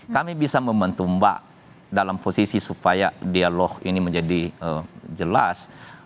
kami bisa membantu mbak dalam posisi supaya dialog ini menjadi jelas